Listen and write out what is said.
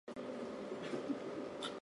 جو سکھوں کی مقدس ترین جگہ ہے